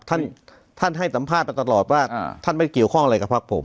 ท่านท่านให้สัมภาษณ์มาตลอดว่าท่านไม่เกี่ยวข้องอะไรกับพักผม